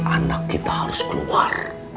anak kita harus keluar